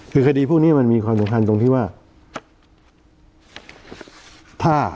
คือคดีพวกนี้มันมีความสำคัญตรงที่ว่า